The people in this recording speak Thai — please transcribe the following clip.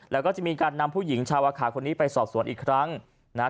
แล้วก็จะมีการนำผู้หญิงชาวอาคาคนนี้ไปสอบสวนอีกครั้งนะฮะ